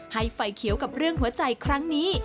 ไฟเขียวกับเรื่องหัวใจครั้งนี้